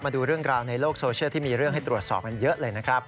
มาดูเรื่องราวในโลกโซเชียลที่มีเรื่องให้ตรวจสอบกันเยอะเลยนะครับ